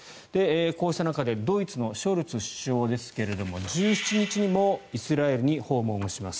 こうした中でドイツのショルツ首相ですが１７日にもイスラエルに訪問します。